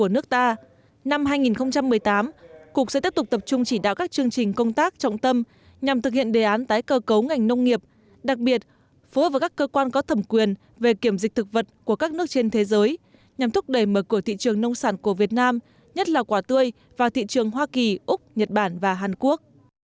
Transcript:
năm hai nghìn một mươi tám cục sẽ tiếp tục tập trung chỉ đạo các chương trình công tác trọng tâm nhằm thực hiện đề án tái cơ cấu ngành nông nghiệp đặc biệt phối hợp với các cơ quan có thẩm quyền về kiểm dịch thực vật của các nước trên thế giới nhằm thúc đẩy mở cửa thị trường nông sản của việt nam nhất là quả tươi vào thị trường hoa kỳ úc nhật bản và hàn quốc